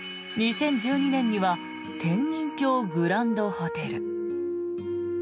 ２０１２年には天人峡グランドホテル